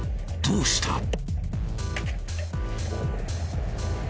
どうした？